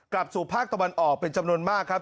กลับสู่ภาคตะวันออกเป็นจำนวนมากครับ